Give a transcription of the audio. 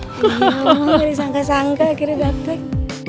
iya miri sangka sangka akhirnya dateng